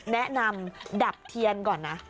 แนะนำดับเทียนก่อนนะ